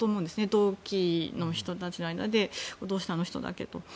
同期の人たちの間でどうしてあの人だけとか。